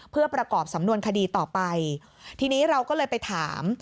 เพื่อประกอบสำนวนคดีต่อไปทีนี้เราก็เลยไปถาม